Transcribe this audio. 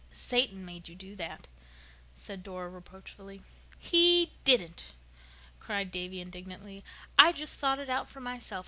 "Satan made you do that," said Dora reproachfully. "He didn't," cried Davy indignantly. "I just thought it out for myself.